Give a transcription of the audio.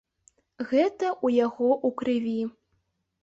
Гэта ў яго ў крыві.